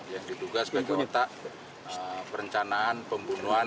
yang diduga sebagai kota perencanaan pembunuhan